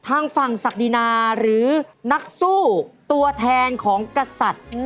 ทางฝั่งศักดินาหรือนักสู้ตัวแทนของกษัตริย์